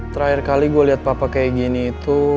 terakhir kali gue lihat papa kayak gini itu